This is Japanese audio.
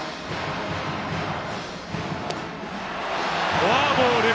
フォアボール。